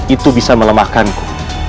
itu bisa melemahkanku